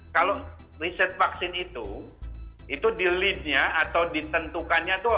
kalau riset vaksin itu itu dilidnya atau ditentukannya tuh